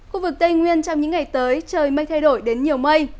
khu vực tây nguyên trong những ngày tới trời mây thay đổi đến nhiều mây